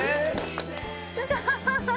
すごい。